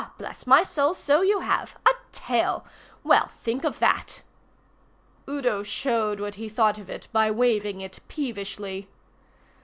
"Why, bless my soul, so you have. A tail! Well, think of that!" Udo showed what he thought of it by waving it peevishly.